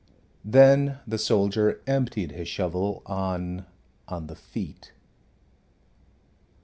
Then the soldier emptied his shovel on on the feet.